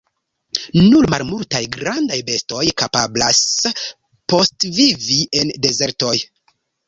Nur malmultaj grandaj bestoj kapablas postvivi en dezertoj.